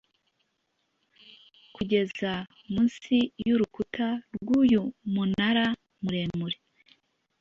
kugera munsi y'urukuta rw'uyu munara muremure